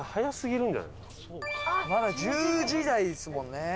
まだ１０時台ですもんね。